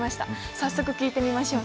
早速聞いてみましょう。